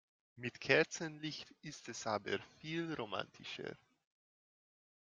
Mit Kerzenlicht ist es aber viel romantischer.